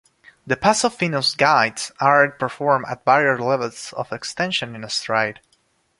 The Paso Fino's gaits are performed at varied levels of extension in stride.